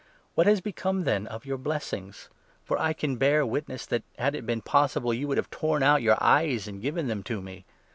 What has become, then, of your blessings? For I can bear 15 witness that, had it been possible, you would have torn out your eyes and given them to me